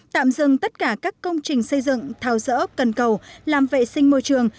tạm dừng tất cả các công trình xây dựng thao dỡ cần cầu làm vệ sinh môi trường